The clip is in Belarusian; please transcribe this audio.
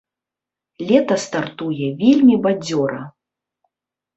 Лета стартуе вельмі бадзёра.